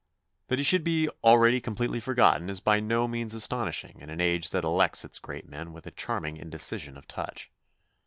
That he should be already completely forgotten is by no means astonishing in an age that elects its great men with a charming indecision of touch.